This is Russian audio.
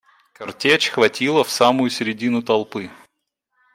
Картечь хватила в самую средину толпы.